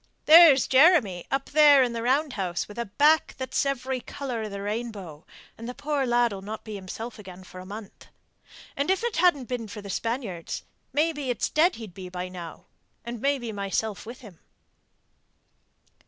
There's Jeremy up there in the round house with a back that's every colour of the rainbow; and the poor lad'll not be himself again for a month. And if it hadn't been for the Spaniards maybe it's dead he'd be by now, and maybe myself with him."